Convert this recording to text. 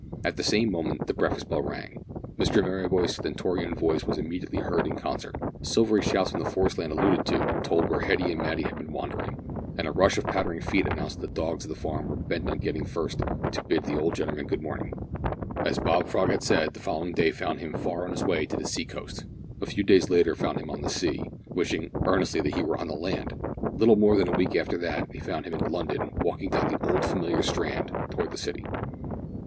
At the same moment the breakfast bell rang; Mr Merryboy's stentorian voice was immediately heard in concert; silvery shouts from the forest land alluded to told where Hetty and Matty had been wandering, and a rush of pattering feet announced that the dogs of the farm were bent on being first to bid the old gentleman good morning. As Bob Frog had said, the following day found him far on his way to the sea coast. A few days later found him on the sea, wishing, earnestly, that he were on the land! Little more than a week after that found him in London walking down the old familiar Strand towards the city.